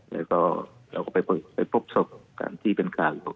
เราก็ไปพบศพที่เป็นข่าวลูก